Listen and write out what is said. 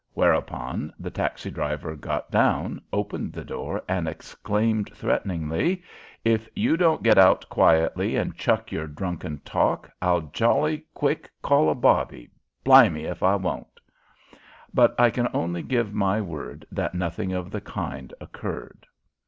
whereupon the taxi driver got down, opened the door, and exclaimed, threateningly: "If you don't get out quietly and chuck your drunken talk, I'll jolly quick call a bobby, bli' me if I won't!" But I can only give my word that nothing of the kind occurred.